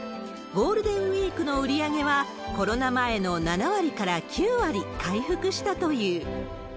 ゴールデンウィークの売り上げは、コロナ前の７割から９割回復したという。